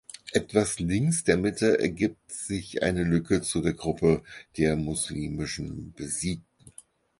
Etwas links der Mitte ergibt sich eine Lücke zu der Gruppe der muslimischen Besiegten.